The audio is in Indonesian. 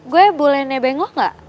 gue boleh nebeng lo gak